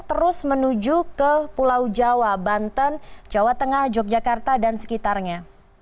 terus menuju ke pulau jawa banten jawa tengah yogyakarta dan sekitarnya